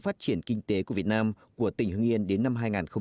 phát triển kinh tế của việt nam của tỉnh hưng yên đến năm hai nghìn hai mươi